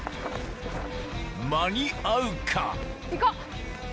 間に合うか？